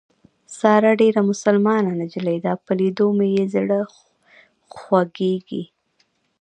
ساره ډېره مسلمان نجلۍ ده په لیدو مې یې زړه خوږېږي.